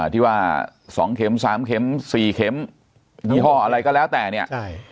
ที่ว่า๒เข็ม๓เข็ม๔เข็มยี่ห้ออะไรก็แล้วแต่เนี่ย